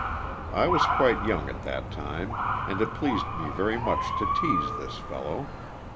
I was quite young at that time, and it pleased me very much to tease this fellow.